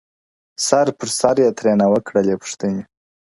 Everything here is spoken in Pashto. سر پر سر یې ترېنه وکړلې پوښتني -